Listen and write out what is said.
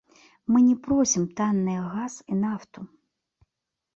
Мы не просім танныя газ і нафту.